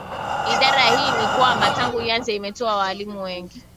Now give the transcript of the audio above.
ya Idara hii ni kwamba tangu ianze Imetoa waalimu wengi